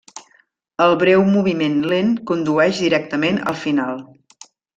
El breu moviment lent condueix directament al final.